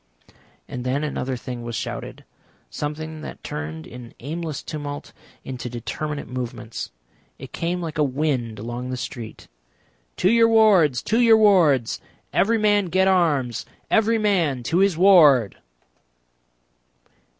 And then another thing was shouted, something that turned an aimless tumult into determinate movements, it came like a wind along the street. "To your wards, to your wards. Every man get arms. Every man to his ward!"